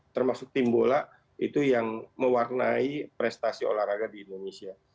termasuk tim bola itu yang mewarnai prestasi olahraga di indonesia